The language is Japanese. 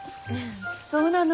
そうなの？